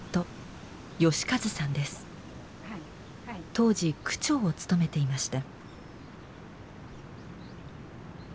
当時区長を務めていました。